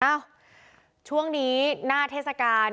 เอ้าช่วงนี้หน้าเทศกาล